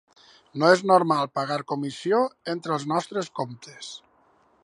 No és normal pagar comissió entre els nostres comptes.